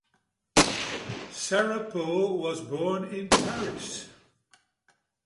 Sarapo was born in Paris.